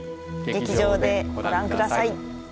劇場でご覧ください。